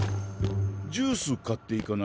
ジュース買っていかない？